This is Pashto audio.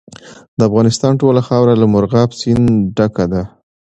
د افغانستان ټوله خاوره له مورغاب سیند ډکه ده.